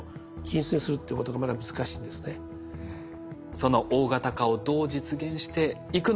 その大型化をどう実現していくのか。